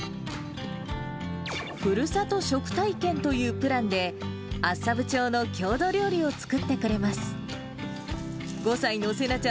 ふるさと食体験というプランで、厚沢部町の郷土料理を作ってくれます。